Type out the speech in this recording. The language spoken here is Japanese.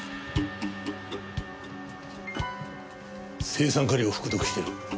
青酸カリを服毒してる。